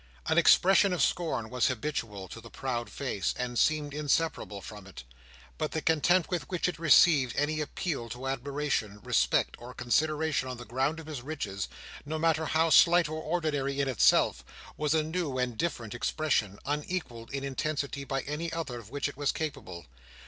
An expression of scorn was habitual to the proud face, and seemed inseparable from it; but the contempt with which it received any appeal to admiration, respect, or consideration on the ground of his riches, no matter how slight or ordinary in itself, was a new and different expression, unequalled in intensity by any other of which it was capable.